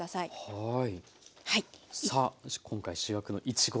はい。